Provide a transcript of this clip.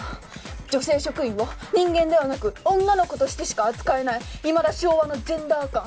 女性職員を人間ではなく『女の子』としてしか扱えないいまだ昭和のジェンダー観。